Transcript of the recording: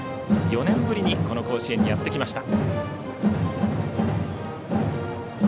４年ぶりにこの甲子園にやってきました。